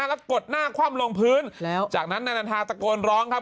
แล้วก็กดหน้าคว่ำลงพื้นแล้วจากนั้นนายนันทาตะโกนร้องครับ